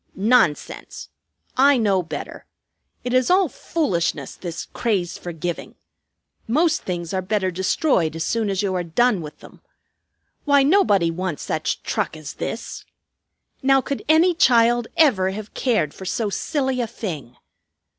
Nonsense! I know better. It is all foolishness, this craze for giving. Most things are better destroyed as soon as you are done with them. Why, nobody wants such truck as this. Now, could any child ever have cared for so silly a thing?"